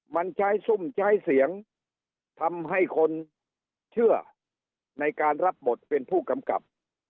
มันใช้ซุ่มใช้เสียงทำให้คนเชื่อในการรับบทเป็นผู้กำกับ